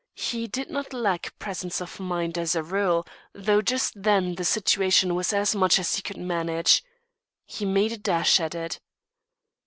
He did not lack presence of mind, as a rule, though just then the situation was as much as he could manage. He made a dash at it.